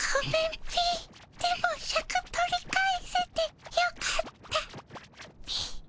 でもシャク取り返せてよかったっピィ。